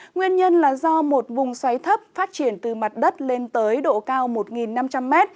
nguyên nhân là do một vùng xoáy thấp phát triển từ mặt đất lên tới độ cao một năm trăm linh m